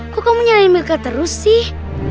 kok kamu nyanyiin milka terus sih